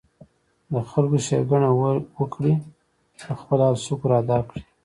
د خلکو ښېګړه وکړي ، پۀ خپل حال شکر ادا کړي